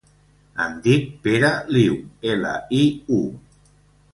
Em dic Pere Liu: ela, i, u.